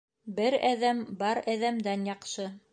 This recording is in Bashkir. Бер әҙәм бар әҙәмдән яҡшы